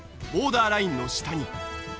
ボーダーラインの下に。